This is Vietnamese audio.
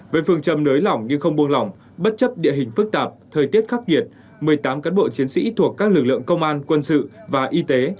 với phương châm nới lỏng nhưng không buông lỏng bất chấp địa hình phức tạp thời tiết khắc nghiệt một mươi tám cán bộ chiến sĩ thuộc các lực lượng công an quân sự và y tế